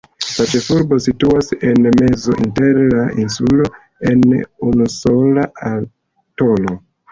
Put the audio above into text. La ĉefurbo situas en mezo inter la insuloj, en unusola atolo.